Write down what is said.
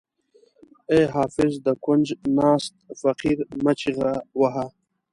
ای حافظ د کونج ناست فقیر مه چیغه وهه.